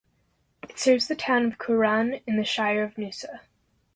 It serves the town of Cooran in the Shire of Noosa.